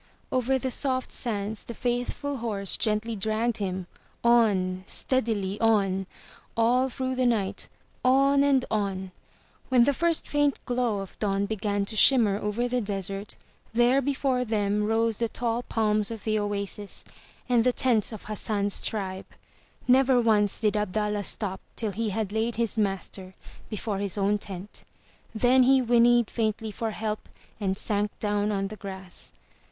Over the soft sands the faithful horse gently dragged him — on, steadily on! All through the night, on and 3" M Y BOOK HOUSE on! When the first faint glow of dawn began to shimmer over the desert, there before them rose the tall palms of the oasis, and the tents of Hassan's tribe. Never once did Abdallah stop till he had laid his master before his own tent. Then he whinnied faintly for help and sank down on the grass.